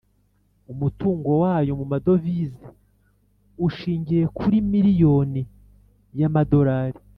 umutungo wayo mu madovize ushingiye kuri miliyoni ya madorali